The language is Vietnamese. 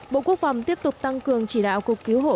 bộ quốc phòng tiếp tục tăng cường chỉ đạo cục cứu hộ